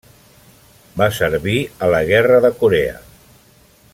Va servir a la Guerra de Corea.